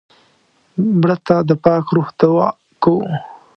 مړه ته د پاک روح دعا کوو